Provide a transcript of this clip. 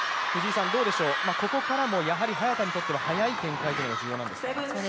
ここからも早田にとっては速い展開が重要ですか？